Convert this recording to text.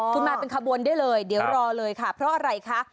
คุณมาเป็นขบวนได้เลยเดี๋ยวรอเลยค่ะเพราะอะไรคะ